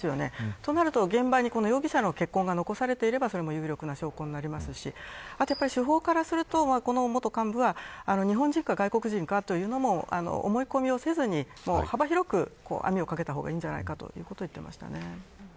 となると現場に容疑者の血痕が残されているのならそれも有力な証拠になりますし司法からするとこの元幹部は、日本人か外国人かというのも思い込みをせずに幅広く網をかけた方がいいんじゃないかということを言っていました。